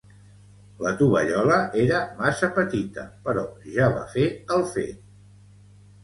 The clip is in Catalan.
La tovallola era massa petita, però ja va fer el fet.